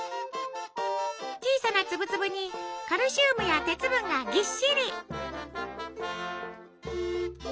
小さなツブツブにカルシウムや鉄分がぎっしり。